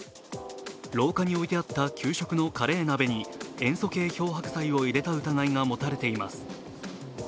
廊下に置いてあった給食のカレー鍋に塩素系漂白剤を入れた疑いが持たれています。